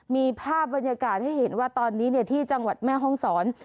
มีภาพบรรยากาศให้เห็นว่าตอนนี้ที่จังหวัดแม่ห้องศร